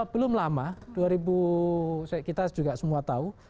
belum lama dua ribu kita juga semua tahu